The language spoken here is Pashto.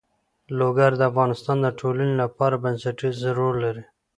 لوگر د افغانستان د ټولنې لپاره بنسټيز رول لري.